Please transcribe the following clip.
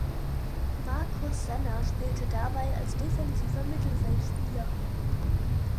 Marcos Senna spielte dabei als defensiver Mittelfeldspieler.